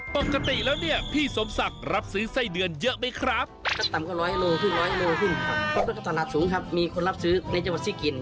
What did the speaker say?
ปกติแล้วเนี่ยพี่สมศักดิ์รับซื้อไส้เดือนเยอะไหมครับ